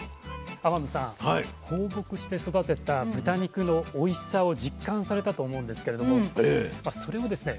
天野さん放牧して育てた豚肉のおいしさを実感されたと思うんですけれどもそれをですね